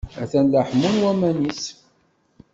Atan la ḥemmun waman-is.